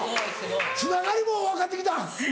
つながりも分かってきたん？